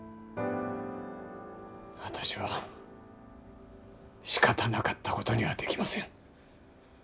私はしかたなかったことにはできません。